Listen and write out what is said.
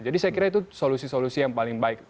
jadi saya kira itu solusi solusi yang paling baik